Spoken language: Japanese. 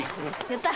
やった！